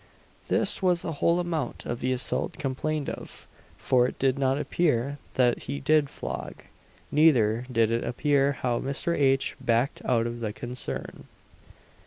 This was the whole amount of the assault complained of for it did not appear that he did flog, neither did it appear how Mr. H. "backed out of the concern."